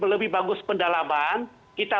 lebih bagus pendalaman kita